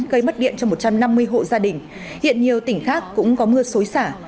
gây mất điện cho một trăm năm mươi hộ gia đình hiện nhiều tỉnh khác cũng có mưa xối xả